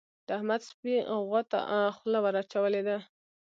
د احمد سپي غوا ته خوله ور اچولې ده.